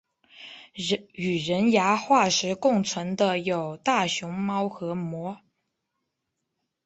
与人牙化石共存的有大熊猫和貘。